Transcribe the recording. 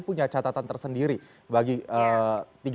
punya catatan tersendiri bagi